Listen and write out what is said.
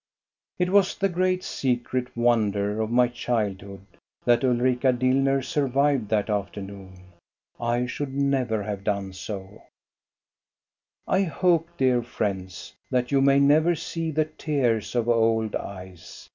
It was the great, secret wonder of my childhood that Ulrika Dillner survived that afternoon. I should never have done so. 206 THE STORY OF GOSTA BE RUNG. I hope, dear friends, that you may never see the tears of old eyes.